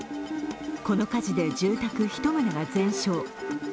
この火事で住宅１棟が全焼。